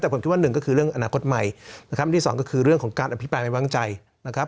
แต่ผมคิดว่าหนึ่งก็คือเรื่องอนาคตใหม่นะครับที่สองก็คือเรื่องของการอภิปรายไม่วางใจนะครับ